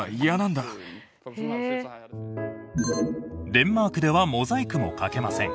デンマークではモザイクもかけません。